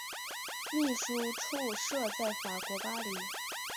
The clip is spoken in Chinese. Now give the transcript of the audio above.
秘书处设在法国巴黎。